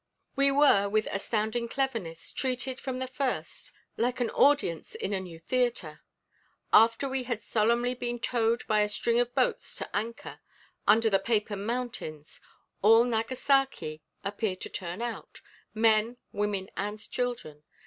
"We were, with astounding cleverness, treated from the first like an audience in a new theatre. After we had solemnly been towed by a string of boats to anchor, under the Papen mountains, all Nagasaki appeared to turn out, men, women and children.